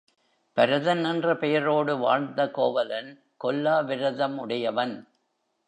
பரதன் என்ற பெயரோடு வாழ்ந்த கோவலன் கொல்லா விரதம் உடையவன்.